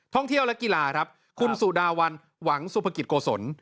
ท่องเที่ยวและกีฬาครับคุณสุดาวันหวังสุภกิจโกศล